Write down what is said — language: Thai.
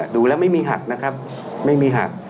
ดูแล้วไม่มีหักนะครับ